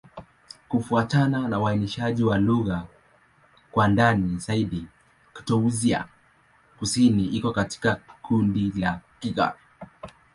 Kufuatana na uainishaji wa lugha kwa ndani zaidi, Kitoussian-Kusini iko katika kundi la Kigur.